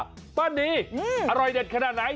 ป้านีอร่อยเด็ดขนาดไหน